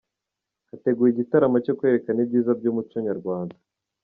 Hateguwe igitaramo cyo kwerekana ibyiza by’umuco Nyarwanda